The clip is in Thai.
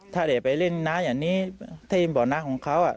ถ้าเด็กไปเล่นน้ำอย่างนี้ถ้ายินบอกน้ำของเขาอ่ะ